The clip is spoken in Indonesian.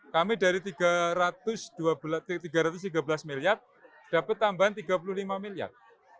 kami dari tiga ratus tiga belas miliar dapat tambahan tiga puluh lima miliar